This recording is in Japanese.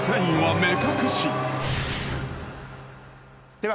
では